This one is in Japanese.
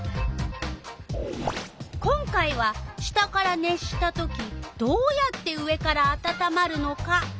今回は「下から熱したときどうやって上からあたたまるのか？」